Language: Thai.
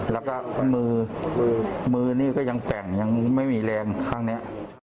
แล้วก็มือมือนี่ก็ยังแต่งยังไม่มีแรงข้างนี้